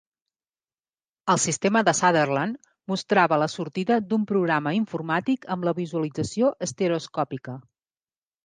El sistema de Sutherland mostrava la sortida d'un programa informàtic amb la visualització estereoscòpica.